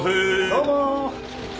どうもー。